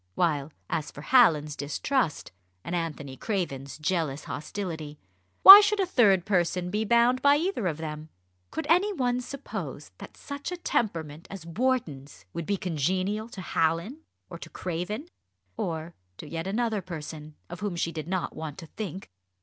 While, as for Hallin's distrust, and Anthony Craven's jealous hostility, why should a third person be bound by either of them? Could any one suppose that such a temperament as Wharton's would be congenial to Hallin or to Craven or to yet another person, of whom she did not want to think?